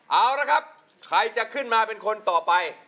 เอาละครับใครจะขึ้นมาเป็นคนต่อไป